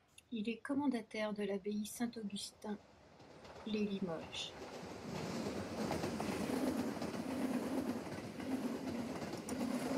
Il est commendataire de l'abbaye Saint-Augustin-lès-Limoges.